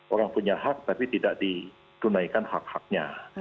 orang punya hak tapi tidak ditunaikan hak haknya